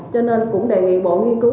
cho nên cũng đề nghị bộ nghiên cứu